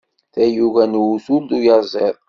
D tayuga n uwtul d uyaziḍ.